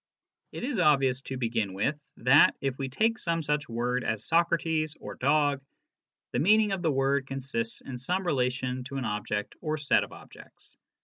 It is obvious to begin with that, if we take some such word as " Socrates " or " dog," the meaning of the word consists in some relation to an object or set of objects.